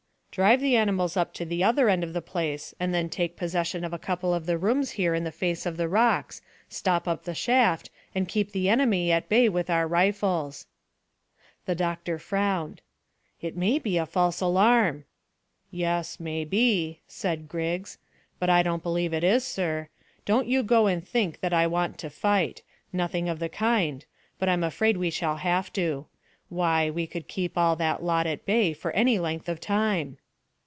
"Drive the animals up to the other end of the place, and then take possession of a couple of the rooms here in the face of the rocks, stop up the shaft, and keep the enemy at bay with our rifles." The doctor frowned. "It may be a false alarm," he said. "Yes, may be," said Griggs; "but I don't believe it is, sir. Don't you go and think that I want to fight. Nothing of the kind, but I'm afraid we shall have to. Why, we could keep all that lot at bay for any length of time."